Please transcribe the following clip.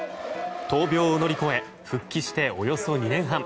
闘病を乗り越え復帰しておよそ２年半。